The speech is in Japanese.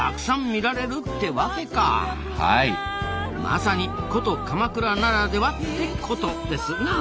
まさに古都鎌倉ならではってコトですな。